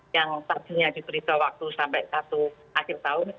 yang tadinya diberi waktu sampai satu akhir tahun